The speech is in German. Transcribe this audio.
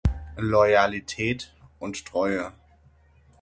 Loyalität und Treue.